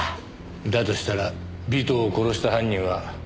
だとしたら尾藤を殺した犯人は。